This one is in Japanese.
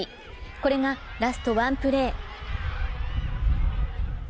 これがラストワンプレー。